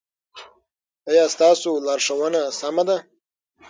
ایا ستاسو لارښوونه سمه ده؟